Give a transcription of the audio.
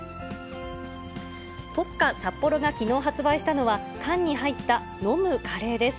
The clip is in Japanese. ポッカサッポロがきのう発売したのは、缶に入った飲むカレーです。